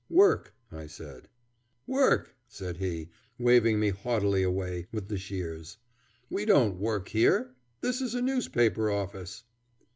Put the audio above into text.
"Work," I said. "Work!" said he, waving me haughtily away with the shears; "we don't work here. This is a newspaper office."